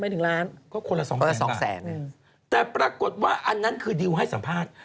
ถึงล้านก็คนละสองแสนสองแสนแต่ปรากฏว่าอันนั้นคือดิวให้สัมภาษณ์